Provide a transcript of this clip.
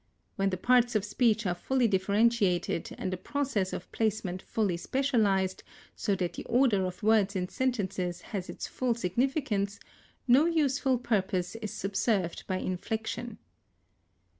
When the parts of speech are fully differentiated and the process of placement fully specialized, so that the order of words in sentences has its full significance, no useful purpose is subserved by inflection.